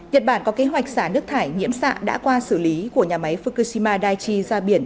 nhật bản có kế hoạch xả nước thải nhiễm xạ đã qua xử lý của nhà máy fukushima daichi ra biển